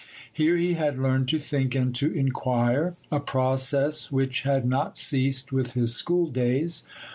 Here he had learned to think and to inquire,—a process which had not ceased with his schooldays.